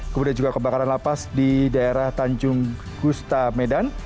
kemudian juga kebakaran la paz di daerah tanjung gustamedan